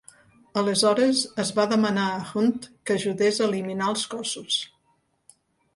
Aleshores es va demanar a Hunt que ajudés a eliminar els cossos.